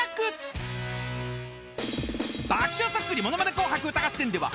［『爆笑そっくりものまね紅白歌合戦』では］